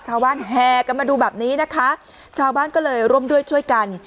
แห่กันมาดูแบบนี้นะคะชาวบ้านก็เลยร่วมด้วยช่วยกัน